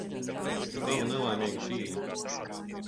Tavu nelaimīgu tīni.